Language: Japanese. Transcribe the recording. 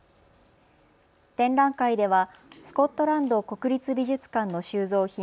展覧会ではスコットランド国立美術館の収蔵品